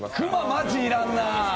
マジいらんなあ。